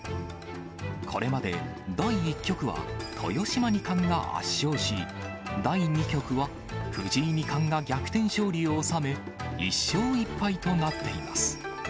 これまで第１局は、豊島二冠が圧勝し、第２局は、藤井二冠が逆転勝利を収め、１勝１敗となっています。